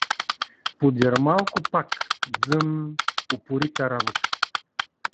Подир малко пак — „дзън…“ Упорита работа.